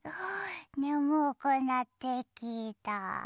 ねむくなってきた。